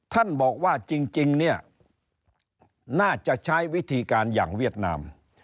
ท่านบอกว่าจริงเนี่ยน่าจะใช้วิธีการอย่างเวียดนาม